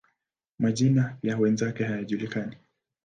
Majina ya wenzake hayajulikani.